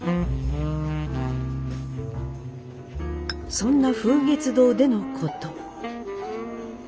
そんな風月堂でのこと。